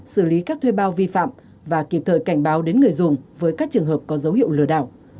xử lý các thuê bao vi phạm và kịp thời cảnh báo đến người dùng với các trường hợp có dấu hiệu lừa đảo